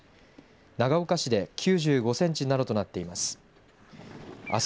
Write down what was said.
長岡市で９５センチなどとなっています。